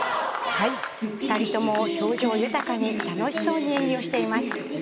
はい二人とも表情豊かで楽しそうに演技をしています